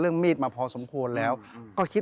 เหมือนเล็บแต่ของห้องเหมือนเล็บตลอดเวลา